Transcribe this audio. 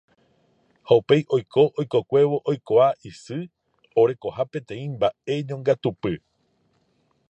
ha upéi oiko oikokuévo oikuaa isy orekoha peteĩ mba'e ñongatupy